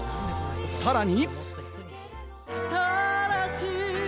さらに。